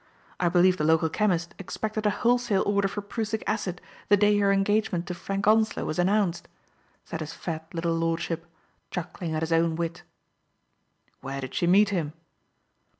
I believe the local chemist ex pected a wholesale order for prussic acid the day her engagement to Frank Onslow was an nounced," said his fat little lordship, chuckling at his own wit. " Where did she meet him